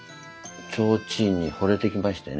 提灯にほれてきましてね。